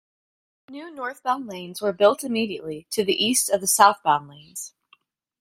New northbound lanes were built immediately to the east of the southbound lanes.